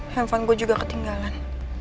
handphone gue juga ketinggalan